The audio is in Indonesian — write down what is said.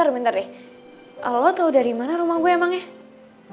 bentar lo tau dari mana rumah gue emangnya